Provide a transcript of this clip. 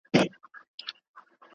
چې د چا ورانه یاري وینم قار راځينه